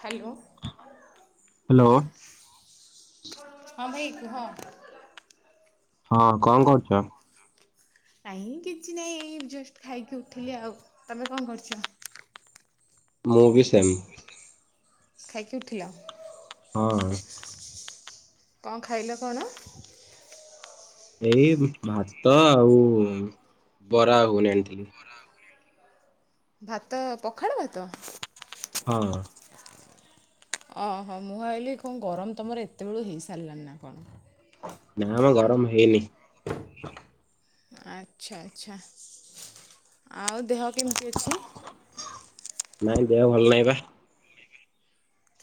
Hello. Hello. ହଁ ଭାଇ କୁହ। ହଁ କଣ କରୁଚ? ନାହିଁ କିଛି ନାଇ ଏଇ ଜଷ୍ଟ ଖାଇକି ଉଠିଲି ଆଉ ତମେ କଣ କରଚ? ମୁଁ ବିି ସେମ୍। ଖାଇକି ଉଠିବ? ହଁ। କଣ ଖାଇଲ କଣ? ଏଇ ଉମ୍ ଭାତ ଆଉ ବରା ଘୁଗନି ଆଣିଥିଲି। ଭାତ ପଖାଳ ଭାତ। ହଁ। ଓହୋ ମୁଁ ଭାବିଲି କଁ ଗରମ ତମର ଏତେବେଳୁ ହେଇ ସାରିଲାନି ନା କଣ। ନା ମ ଗରମ୍ ହେଇନି। ଆଚ୍ଛା ଆଚ୍ଛା ଆଉ ଦେହ କେମିତି ଅଛି? ନାଇଁ ଦେହ ଭଲ ନାଇଁ ପା।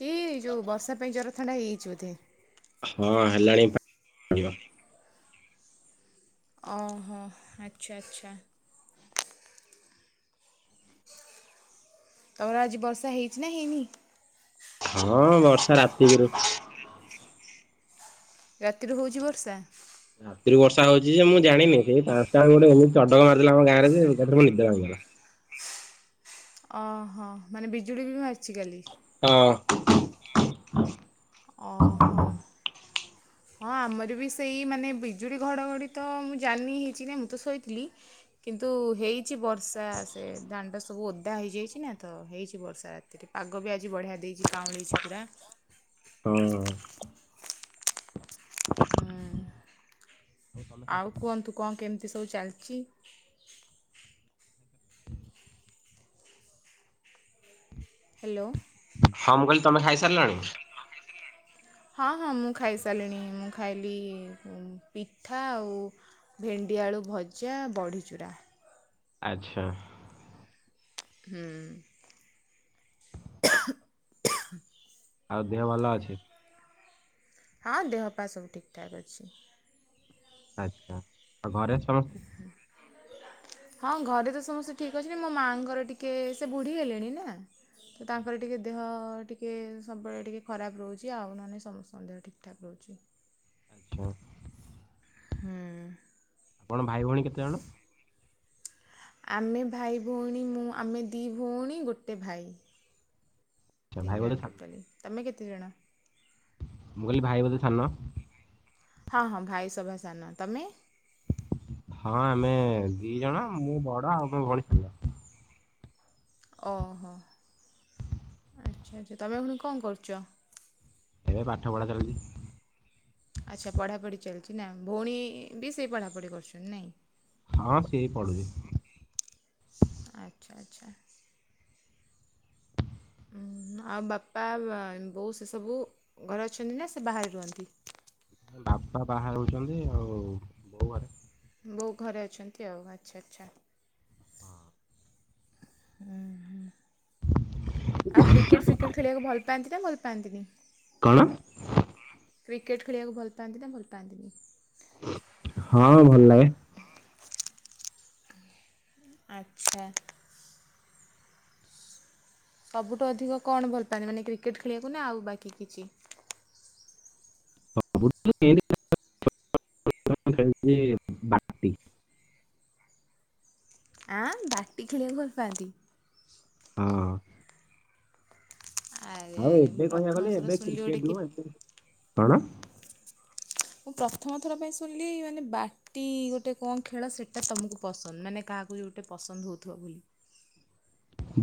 କି ଯୋଉ ବର୍ଷା ପାଇଁ ଜର ଥଣ୍ଡା ହେଇଯାଇଚି ବୋଧେ। ହଁ ହେଲାଣି ପା ଡିବ। ଓହୋ ଆଚ୍ଛା ଆଚ୍ଛା। ତମର ଆଜି ବର୍ଷା ହେଇଚି ନା ହେଇନି? ହଁ ବର୍ଷା ରାତିକିରୁ ରାତିରୁ ହୋଉଚି ବର୍ଷା? ରାତିରୁ ବର୍ଷା ହଞଉଚି ଯେ ମୁଁ ଜାଣିନି ସେଇ ପାଞ୍ଚ୍ଟା ବେଳୁ ଗୋଟେ ଏମତି ଚଡ଼କ ମାରିଦେଲା ଆମ ଗାଁରେ ଯେ ଏକାଥରେ ମୋ ନିଦ ଭାଙ୍ଗିଗଲା। ଅହଁ। ହଁ ମାନେ ବିଜୁଳି ବି ମାରିଚି କାଲି? ହଁ। ଓହୋ। ହଁ ଆମର ବି ସେଇ ମାନେ ବିଜୁଳି ଘଡ଼ଘଡ଼ି ତ ମୁଁ ଜାନି ହେଇଚି ନାଇ ମୁଁ ତ ଶୋଇଥିଲି। କିନ୍ତୁ ହେଇଚି ବର୍ଷା, ସେ ଦାଣ୍ଡ ସବୁ ଓଦା ହେଇଯାଇଚି। କିନା ତ ହେଇଛି ବର୍ଷା, ରାତିରେ ପାଗ ବି ଆଜି ବଢ଼ିଆ ଦେଇଚି, ପାଉଁଳେଇଚି ପୁରା। ଓ ହୋ। ହୁଁ, ଆଉ ମୁଁ କୁହନ୍ତୁ କଁ କେମିତି ସବୁ ଚାଲ୍ଚି? ହେଲୋ। ହଁ, ମୁଁ କଇଲି ତମେ ଖାଇସାରିଲଣି? ହଁ ହଁ, ମୁଁ ଖାଇସାଲିଣି ମୁଁ ଖାଇଲି ପିଠା ଆଉ ଭେଣ୍ଡିଆଳୁ ଭଜା ବଢ଼ିଚୁରା। ଆଚ୍ଛା। ହୁଁ। ଆଉ ଦେହ ଭଲ ଅଛି? ହଁ, ଦେହ ପା ସବୁ ଠିକ୍ ଠାକ୍ ଅଛି। ଆଚ୍ଛା, ଆଉ ଘରେ ସମସ୍ତେ? ହୁଁ। ହଁ, ଘରେ ତ ସମସ୍ତେ ଠିକ୍ ଅଛନ୍ତି, ମୋ ମାଆଙ୍କର ଟିକେ ସେ ବୁଢ଼ୀ ହେଲେଣି ନା। ତ ତାଙ୍କର ଟିକେ ଦେହ ଟିକେ ସବୁବେଳେ ଟିକେ ଖରାପ ରହୁଚି, ଆଉ ନହେନେ ସମସ୍ତଙ୍କ ଦେହ ଠିକ୍ ଠାକ୍ ରହୁଚି ଆଚ୍ଛା। ହୁଁ। ପଣ ଭାଇ ଭଉଣୀ କେତେ ଜଣ? ଆମେ ଭାଇ ଭୋଉଣୀ ମୁଁ ଆମେ ଦି ଭୋଉଣୀ ଗୋଟେ ଭାଇ। ଆଚ୍ଛା ତିନ୍ ଭାଇ ଜଣ ବୋଧେ ସାନ ଟୋଟାଲି, ତମେ କେତେଜଣ? ମୁଁ କହିଲି ଭାଇ ବୋଧେ ସାନ? ହଁ ହଁ ଭାଇ ସଭା ସାନ, ତମେ? ହଁ ଆମେ ଦି ଜଣ, ମୁଁ ବଡ ଆଉ ମୋ ଭଉଣୀ ସାନ। ଓହୋ। ଆଚ୍ଛା ଆଚ୍ଛା, ତମେ ଏପୁଣି କଁ କରୁଚ? ଏବେ ପାଠ ପଢ଼ା ଚାଲଚି। ଆଚ୍ଛା ପଢ଼ାପଢ଼ି ଚାଲିଚି ନା, ଭୋଉଣୀ ବି ସେଇ ପଢ଼ାପଢ଼ି କରୁଚନ୍ତି ନାଇଁ? ହଁ ସିଏ ବି ପଢ଼ୁଚି। ଆଚ୍ଛା ଆଚ୍ଛା। ଆଉ ବାପା ବୋଉ ସେସବୁ ଘରେ ଅଛନ୍ତି ନା ସେ ବାହାରେ ରୁହନ୍ତି? ବାପା ବାହା ହେଉଛନ୍ତି ଆଉ ବୋଉ ଘରେ। ବୋଉ ଘରେ ଅଛନ୍ତି ଆଉ ଆଚ୍ଛା ଆଚ୍ଛା। ହୁଁ ହୁଁ ଆଉ କ୍ରିକେଟ ଫ୍ରିକେଟ୍ ଖେଳିବାକୁ ଭଲ ପାଆନ୍ତି ନା ଭଲ ପାଆନ୍ତିନି? କଣ? କ୍ରିକେଟ୍ ଖେଳିବାକୁ ଭଲ ପାନ୍ତି ନା ଭଲ ପାନ୍ତିନି? ହଁ ଭଲ ଲାଗେ। ଆଚ୍ଛା। ସବୁଠୁ ଅଧିକ କଣ ଭଲ ପାଆନ୍ତି, ମାନେ କ୍ରିକେଟ୍ ଖେଳିବାକୁ ନା ଆଉ ବାକି କିଛି। [unintelligible] ଆଁ ବାଟି ଖେଳିବାକୁ ଭଲ ପାଆନ୍ତି। ହଁ। ଆରେ ଆଉ ଆରେ ମୁଁ ଏବେ କହିବା ପ୍ରଥମ ଗଲେ ଥର ଏବେ ଶୁଣିଲି ଗୋଟେ କ୍ରିକେଟ କି ନୁହେଁ ଏବେ କଣ? ମୁଁ ପ୍ରଥମ ଥର ପାଇଁ ଶୁଣିଲି ମାନେ ବା ଟି ଗୋଟେ କଣ ଖେଳ ସେଇଟା ତମକୁ ପସନ୍ଦ ମାନେ କାହାକୁ ଯୋଉଟା ପସନ୍ଦ ହଉଥିବ ବୋଲି।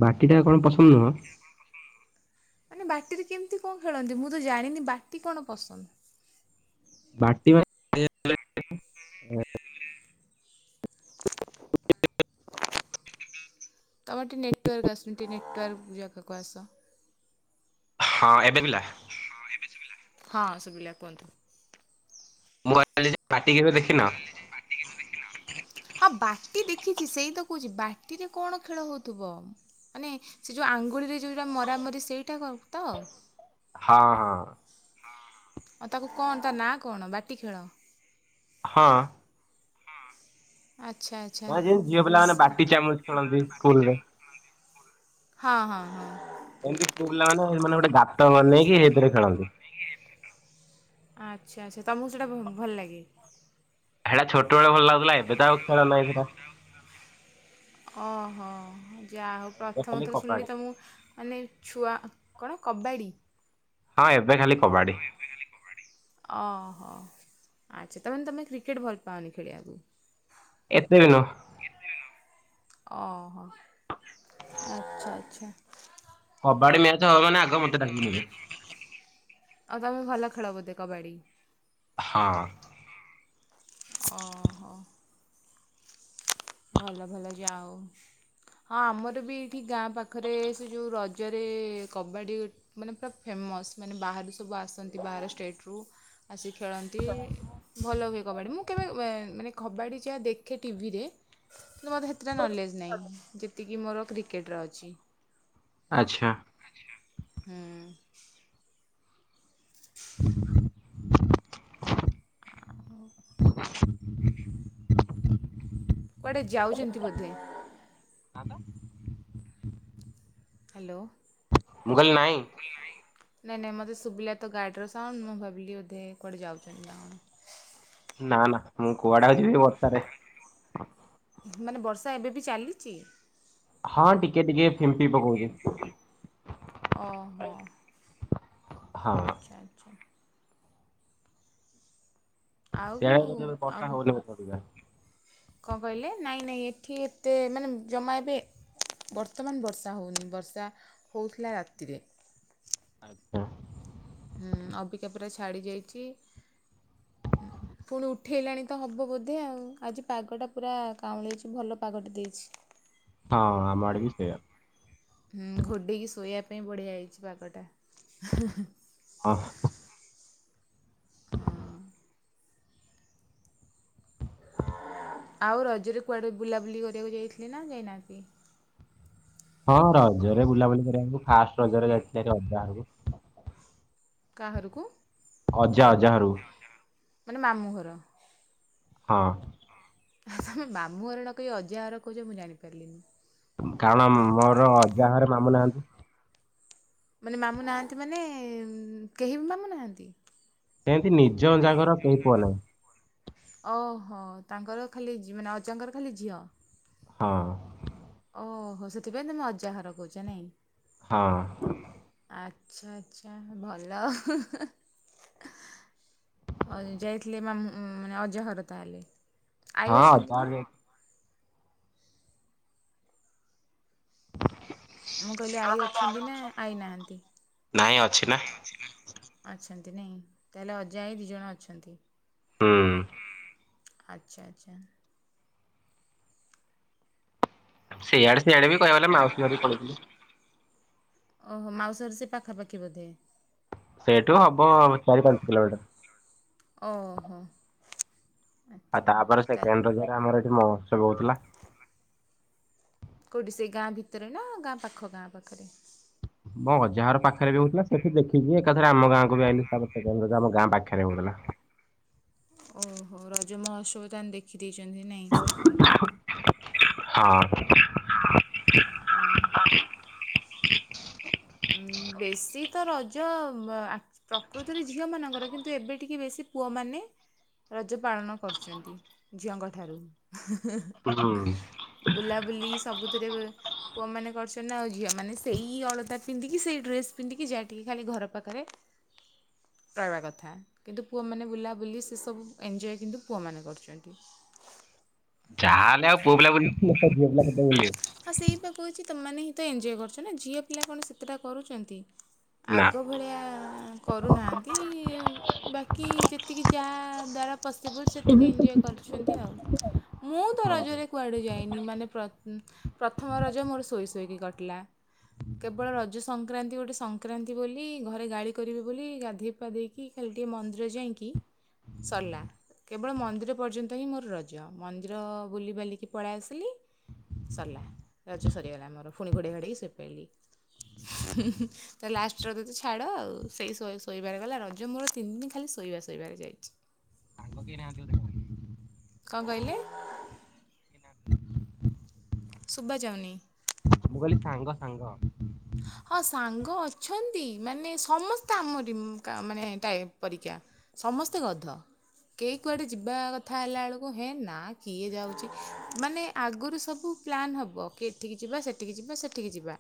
ବାକିଟା କଣ ପସନ୍ଦ ନୁହଁ। ମାନେ ବାଟିରେ କେମିତି କଣ ଖେଳନ୍ତି ମୁଁ ତ ଜାଣିନି ବାଟି କଣ ପସନ୍ଦ। ବାଟି ବା [inaudible] ତମର ଟିକେ ନେଟୱାର୍କ ଆସୁନି ଟିକେ ନେଟୱାର୍କ ଜାଗାକୁ ଆସ। ହଁ ଏବେନେଲା। ହଁ ଏବେ ସୁବିଲା। ହଁ ସୁବିଲା କୁହନ୍ତୁ। ମୁଁ [unintelligible] ବାଟି କେବେ ଦେଖିନ। ବାଟି କେଭେ ଦେଖିନ। ହଁ ବାଟି ଦେଖିଚି ସେଇ ତ କହୁଚି ବାଟିରେ କଣ ଖେଳ ହଉଥିବ? ମାନେ ସେ ଯଉ ଆଙ୍ଗୁଳିରେ ଯଉରା ମରାମରି ସେଇଟା କଉତ। ହଁ ହଁ। ଆ ତାକୁ କଣ ତା ନାଁ କଣ ବାଟି ଖେଳ। ହଁ। ଆଚ୍ଛା ଆଛା। ଭାଯେ ଝିଅ ପିଲାମାନେ ବାଟି ଚାମୁଚ ଖେଣନ୍ତି ସ୍କୁଲ ରେ। ହଁ ହଁ ହଁ। ଏନ୍ତି ପୁଅ ପିଲାମାନେେ ମାନେ ଗୋଟେ ଗାତ ବନେଇକି ସେଇଥିରେ ଖେଳନ୍ତି। ଆଛା ଆଛା ତମକୁ ସେଇଟା ଭଲ ଲାଗେ। ହେଇଟା ଛୋଟବେଳେ ଭଲ ଲାଗୁଥିଲା ଏବେ ତ ଆଉ ଖେଳ ନାହିଁ ନା। ଓହୋ ଯା ହଉ ଏବେ ପ୍ରଥମ ଖାଲି ଥର କବାଡି ଶୁଣିଲି ତମୁକୁ ମାନେ ଛୁଆ କଣ କବାଡ଼ି। ହଁ ଏବେ ଖାଲି କବାଡ଼ି। ଓହୋ ଆଚ୍ଛା ତମାନେ ତମେ କ୍ରିକେଟ ଭଲ ପାଅନି ଖେଳିବାକୁ। ଏତେ ବି ନୁହଁ। ଓହୋ ଆଚ୍ଛା। କବାଡି ମ୍ୟାଚ୍ ହବ ମାନେ ଆଗ ମୋତେ ଡାକି ନେବେ। ଆଉ ତମେ ଭଲ ଖେଳ ବୋଧେ କବାଡି। ହଁ। ଅ ହୋ। ଭଲ ଭଲ ଯାଆ ଅଉ। ହଁ ଆମର ବି ଏଇଠି ଗାଁ ପାଖରେ ସେ ଯଉ ରଜରେ କବାଡ଼ି ଗୋ ମାନେ ପୁରା ଫେମସ ମାନେ ବାହାରୁ ସବୁ ଆସନ୍ତି ବାହାର ଷ୍ଟେଟ ରୁ। ଆସି ଖେଳନ୍ତି ଭଲ ହୁଏ କବାଡ଼ି ମୁଁ କେବେ ମାନେ କବାଡ଼ି ଯାହା ଦେଖେ ଟିଭିରେ। କିନ୍ତୁ ମୋତେ ସେଥିଟା ନଲେଜ ନାହିଁ ଯେତିକି ମୋର କ୍ରିକେଟର ଅଛି। ଆଚ୍ଛା, ହୁଁ, ମୁଉଁ କୁଆଡ଼େ ଯାଉଛନ୍ତି ବୋଧେ? ନା ତ, ହ୍ୟାଲୋ, ମୁଁ କହିଲି ନାଁଇ। ନାଇଁ ନାଇଁ ମତେ ଶୁବିଲା ତ ଗାଡ଼ିର ସାଉଣ୍ଡ ମୁଁ ଭାବିଲି ବୋଧେ କୁଆଡ଼େ ଯାଉଚନ୍ତି ନା କଣ। ନାଁ ନା ମୁଁ କୁଆଡେ ଆଉ ଯିବି ବର୍ଷାରେ। ମାନେ ବର୍ଷା ଏବେ ବି ଚାଲିଚି। ହଁ ଟିକେ ଟିକେ ଫିମ୍ପି ପକୋଉଚି। ଓ ହୋ ହଁ ଆଚ୍ଛା ଆଚ୍ଛା। ଆଉ ସେୟା ହିଁ ଏବେ ବର୍ଷା ଆଉ ହୋଉନି ବୋଧେ ଅବିକା? କଣ କହିଲେ ନାଇଁ ନାଇଁ ଏଠି ଏତେ ମାନେ ଜମା ଏବେ ବର୍ତ୍ତମାନ ବର୍ଷା ହୋଉନି। ବର୍ଷା ହୋଉଥିଲା ରାତିରେ। ଆଚ୍ଛା, ହୁଁ ହୁଁ, ଅବିକା ପୁରା ଛାଡ଼ି ଯାଇଛି। ହଁ [inaudible] ଉ ପୁଣି ଉଠେଇଲାଣି ତ ହବ ବୋଧେ ଆଉ ଆଜି ପାଗଟା ପୁରା କାଉଁଳେଇଚି ଭଲ ପାଗଟେ ଦେଇଚି। ହଁ ହ ଆମ ଆଡେ ବି ସେଇୟା। ହୁଁ ଘୋଡ଼େଇକି ଶୋଇବା ପାଇଁ ବଢ଼ିଆ ହେଇଛି ପାଗଟା। ଅ ହ, ହଁ [unintelligible] ଆଉ ରଜରେ କୁଆଡେ ବୁଲାବୁଲି କରିଆକୁ ଯାଇଥିଲେ ନା ଯାଇନାହାନ୍ତି? ହଁ ରଜରେ ବୁଲାବୁଲି କରିବାକୁ ଫାଷ୍ଟ ରଜରେ ଯାଇଥିଲି ହାରି ଅଜା ଘରକୁ। କାହାରୁକୁ ଅଜା ଅଜା ଘରୁକୁ। ମାନେ ମାମୁଁ ଘର। ହଁ। ହ ତମେ ମାମୁଁ ଘର ନ କହି ଅଜା ଘର କହୁଚ ମୁଁ ଜାଣିପାରିଲିନି। କାରଣ ମୋର ଅଜା ଘରେ ମାମୁଁ ନାହାନ୍ତି। ମାନେ ମାମୁଁ ନାହାଁନ୍ତି ମାନେ କେହି ବି ମାମୁଁ ନାହାନ୍ତି? ସେନ୍ତି ନିଜ ଅଜାଗର କେହି ପୁଅ ନାଇଁ। ଅ ହୋ ତାଙ୍କର ଖାଲି ଜି ମାନେ ଅଜାଙ୍କର ଖାଲି ଝିଅ। ହଁ, ଓହୋ ସେଥିପାଇଁ ତମେ ଅଜାହାର କୋଉଚ ନାଇଁ। ହଁ, ଆଚ୍ଛା ଆଛା ଭଲ। ଅ ଯାଇଥିଲେ ମାମ ମାନେ ଅଜାଘର ତାହେଲେ। ଆଈ ହଁ ଅଜା ଅଛନ୍ତି ଘର ନା? ଯାଇଥିଲି। ମୁଁ କହିଲି ଆଈ ଅଛନ୍ତି ନା ଆଈ ନାହାନ୍ତି? ନାଇଁ ଅଛି ନା ଅଛନ୍ତି ନାଇଁ ତାହେଲେ ଅଜା, ଆଈ ଦିଜଣ ଅଛନ୍ତି। ହୁଁ, ଆଚ୍ଛା ଆଚ୍ଛା। ସେଇଆଡେ ସିଆଡେ ବି କହିଆକୁ ଗଲେ ମାଉସୀ ଘରୁ ପଳେଇଥିଲି। ଓହୋ ମାଉସି ଘର ସେ ପାଖ ପାଖି ବୋଧେ। ସେଇଠୁ ହବ ଚାରି ପାଞ୍ଚ କିଲୋମିଟର। ଓ ହୋ। ଆଉ ତାପରେ ସେକେଣ୍ଡ ରଜ ରେ ଆମର ଏଠି ମହୋତ୍ସବ ହୋଉଥିଲା। କୋଉଠି ସେଇ ଗାଁ ଭିତେରେ ନାଁ ଗାଁ ପାଖ ଗାଁ ପାଖରେ? ମୋ ଅଜା ହର ପଖେରେ ବି ହୋଉଥିଲା ସେଠି ଦେଖିକି ଏକାଥେରେ ଆମ ଗାଁ କୁ ବି ଆଇଲି ତ ପରେ ସେଇଟା ବି ଗୋଟେ ଆମ ଗାଁ ପାଖେରେ ହୋଉଥିଲା। ଓହୋ ରଜ ମହୋତ୍ସବ ତାହେନେ ଦେଖି ଦେଇଚନ୍ତି ନାଇଁ। [inaudible] ହଁ। ହଁ। ଉନ୍ ବେଶୀ ତ ରଜ ଆ ପ୍ରକୃତରେ ଝିଅ ମାନଙ୍କର କିନ୍ତୁ ଏବେ ଟିକେ ବେଶୀ ପୁଅମାନେ ରଜ ପାଳନ କରୁଚନ୍ତି ଝିଅଙ୍କ ଠାରୁ। ହୁଁ। ବୁଲାବୁଲି ସବୁଥେରେ ପୁଅ ମାନେ କରଚନ୍ତି ନା ଆଉ ଝିଅ ମାନେ ସେଇ ଅଳତା ପିନ୍ଧିକି ସେଇ ଡ୍ରେସ ପିନ୍ଦିକି ଯାଏ ଟିକେ ଖାଲି ଘର ପାଖେରେ ରହିବା କଥା କିନ୍ତୁ ପୁଅମାନେ ବୁଲାବୁଲି ସେସବୁ ଏଞ୍ଜୟ କିନ୍ତୁ ପୁଅମାନେ କରୁଛନ୍ତି। ଯାହା ହେଲେ ଆଉ ପୁଅ ପିଲା [inaudible] ହଁ ସେଇପା କହୁଛି ତମ୍ମାନେ ହିଁ ତ ଏଞ୍ଜୟ କରୁଛ ନା ଝିଅ ପିଲା କଣ ସେତେଟା କରୁଛନ୍ତି। ନା। ଆଗ ଭଳିଆଁ କରୁନାହାନ୍ତି। ଉଁ ବାକି ଯେତିକି ଯାହା ଦ୍ୱାରା ପସିବୁଲ୍ ସେତିକି ଏଞଜୟ କରୁଛନ୍ତି ଆଉ, ମୁଁ ତ ରଜରେ କୁଆଡେ ଯାଇନି ମାନେ ପ୍ରତ୍ ପ୍ରଥମ ରଜ ମୋର ଶୋଇ ଶୋଇକି କଟିଲା। କେବଳ ରଜ ସଂକ୍ରାନ୍ତି ଗୋଟେ ସଂକ୍ରାନ୍ତି ବୋଲି ଘରେ ଗାଳି କରିବି ବୋଲି ଗାଧେଇ ପାାଧେଇକି ଖାଲି ଟିକେ ମନ୍ଦିର ଯାଇକି ସରିଲା। କେବଳ ମନ୍ଦିର ପର୍ଯ୍ୟନ୍ତ ହିଁ ମୋର ରଜ ମନ୍ଦିର ବୁଲିିବାଲିକି ପଳାଇ ଆସିଲି। ସରିଲା ରଜ ସରିଗଲା ଆମର ପୁଣି ଘୋଡେଇ ଘାଡେଇକି ସୋଇପଇଲି। ତା ଲାଷ୍ଟ ରଜ ତ ଛାଡ଼ ଆଉ ସେଇ ଶୋଇ ଶୋଇବାରେ ଗଲା ରଜ ମୋର ତିନି ଦିନ୍ ଖାଲି ଶୋଇବା ଶୋଇବାରେ ଯାଇଛି। [unintelligible] କଣ କହିଲେ? [inaudible] ଶୁବାଯାଉନି। ମୁଁ କହିଲି ସାଙ୍ଗ ସାଙ୍ଗ। ହଁ ସାଙ୍ଗ ଅଛନ୍ତି ମାନେ ସମସ୍ତେ ଆମରି କା ମାନେ ଟାଇପ୍ ପରୀକା। ସମସ୍ତେ ଗଧ। କେହି କୁଆଡ଼େ ଯିବା କଥା ହେଲା ବେଳକୁ ହେଁ ନା କିଏ ଯାଉଛି ମାନେ ଆଗରୁ ସବୁ ପ୍ଲାନ୍ ହବ କି ଏଠିକି ଯିବା ସେଠିକି ଯିବା ସେଠିକି ଯିବା।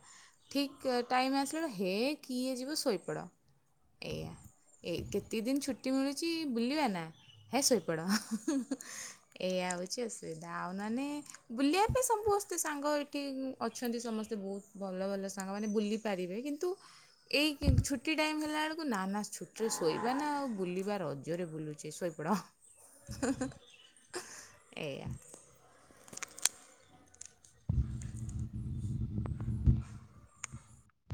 ଠିକ୍ ଟାଇମ୍ ଆସିଲା ବେଳୁ ହେ କିଏ ଯିବ ଶୋଇପଡ଼, ଏଇଆ। ଏଇ କେତିକି ଦିନ୍ ଛୁଟି ମିଳୁଛି ବୁଲିବା ନା ହେ ଶୋଇପଡ଼। ଏଇଆ ହଉଛି ଅସୁବିଧା ଆଉ ନନେ ବୁଲିବା ପାଇଁ ସବୁସ୍ତେ ସାଙ୍ଗ ଏଠି ଅଛନ୍ତି ସମସ୍ତେ ବହୁତ ଭଲ ଭଲ ସା ସାଙ୍ଗମାନେ ବୁଲି ପାରିବେ କିନ୍ତୁ ଏଇ କି ଛୁଟି ଟାଇମ୍ ହେଲାବେଳକୁ ନା ନା ଛୁଟିରେ ଶୋଇବା ନା ଆଉ ବୁଲିବା ରଜରେ ବୁଲୁଛେ ଶୋଇ ଉପୁଡ଼ ଏଇଆ।